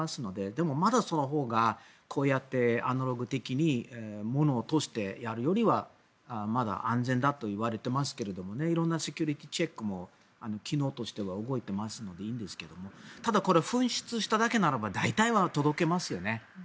でもまだそのほうがこうやってアナログ的にものを通してやるよりはまだ安全だといわれていますけど色んなセキュリティーチェックも機能としては動いているのでいいんですがただ、紛失しただけなら大体は届けますよね。